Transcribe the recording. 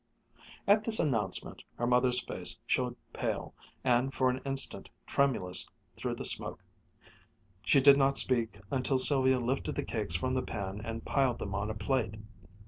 At this announcement her mother's face showed pale, and for an instant tremulous through the smoke. She did not speak until Sylvia lifted the cakes from the pan and piled them on a plate.